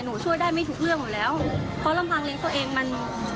ช่วยได้ไม่ทุกเรื่องอยู่แล้วเพราะลำพังเลี้ยงตัวเองมัน